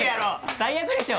・最悪でしょ！